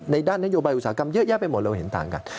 ด้านนโยบายอุตสาหกรรมเยอะแยะไปหมดเราเห็นต่างกัน